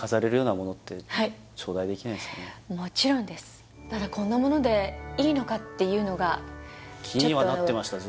何かもちろんですただこんなものでいいのかっていうのがちょっと不安ですけど気にはなってました